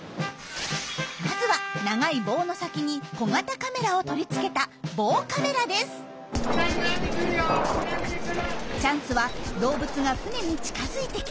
まずは長い棒の先に小型カメラを取り付けたチャンスは動物が船に近づいてきたとき。